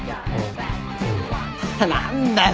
何だよ。